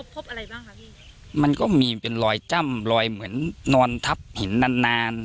พบอะไรบ้างคะพี่มันก็มีเป็นรอยจ้ำรอยเหมือนนอนทับหินนานนาน